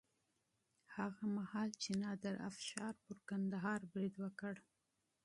هغه مهال چې نادر افشار پر کندهار برید وکړ.